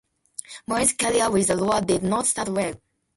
Moore's career with the Roar did not start well.